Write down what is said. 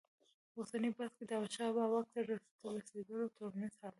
اوسني بحث کې د احمدشاه بابا واک ته تر رسېدو ټولنیز حالت څېړو.